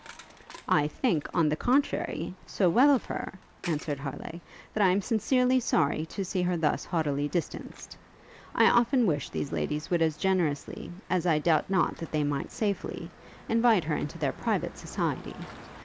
'I think, on the contrary, so well of her,' answered Harleigh, 'that I am sincerely sorry to see her thus haughtily distanced. I often wish these ladies would as generously, as I doubt not that they might safely, invite her into their private society.